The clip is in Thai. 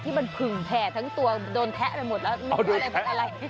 ที่มันเพึ่งแผ่ทั้งตัวโดนแทะนะหมดแล้ว